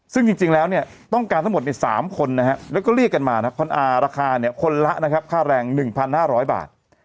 ซึ่งจริงแล้วต้องการทั้งหมด๓คนแล้วก็เรียกกันมาคนอาราคาคนละค่าแรง๑๕๐๐บาท